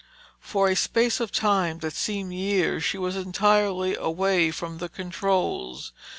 For a space of time that seemed years, she was entirely away from the controls.